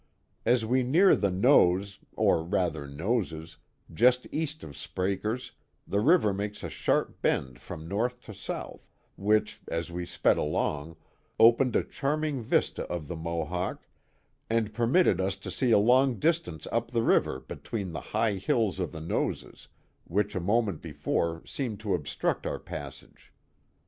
As we near the Nose, or rather Noses, just east of Sprakers, the river makes a sharp bend from north to south, which, as we sped along, opened a charming vista of the Mo hawk, and permitted us to see a long distance up the river be tween the high hills of the Noses, which a moment before seemed to obstruct our passage.